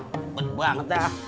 kepet banget ya